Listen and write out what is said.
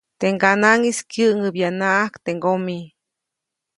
Teʼ ŋganaʼŋis kyäŋʼäbyanaʼajk teʼ ŋgomi.